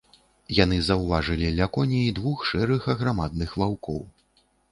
Яны заўважылі ля коней двух шэрых аграмадных ваўкоў.